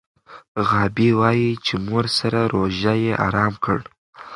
غابي وايي چې مور سره روژه یې ارام کړ.